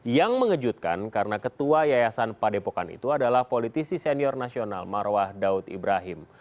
yang mengejutkan karena ketua yayasan padepokan itu adalah politisi senior nasional marwah daud ibrahim